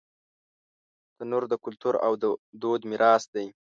تنور د کلتور او دود میراث دی